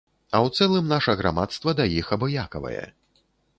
А ў цэлым наша грамадства да іх абыякавае.